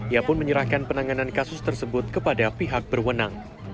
ia pun menyerahkan penanganan kasus tersebut kepada pihak berwenang